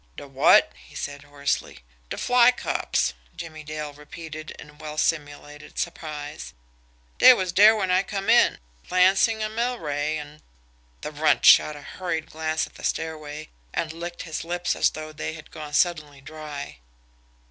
"De WOT?" he said hoarsely. "De fly cops," Jimmie Dale repeated in well simulated surprise. "Dey was dere when I come in Lansing an' Milrae, an " The Runt shot a hurried glance at the stairway, and licked his lips as though they had gone suddenly dry.